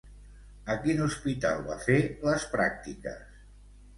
A quin hospital va fer les pràctiques?